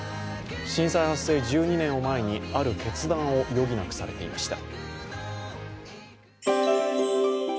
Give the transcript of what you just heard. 震災発生１２年を前に、ある決断を余儀なくされていました。